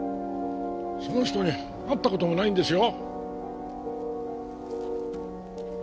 その人に会った事もないんですよ。